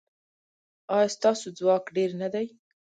ایا ستاسو ځواک ډیر نه دی؟